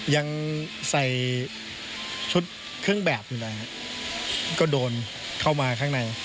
ยังใส่ชุดเครื่องแบบอยู่แล้วครับก็โดนเข้ามา